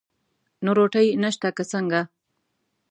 نو روټۍ نشته که څنګه؟